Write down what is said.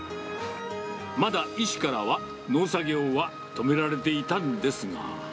まだ医師からは、農作業は止められていたんですが。